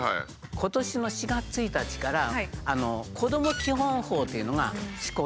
今年の４月１日からこども基本法というのが施行されたんですね。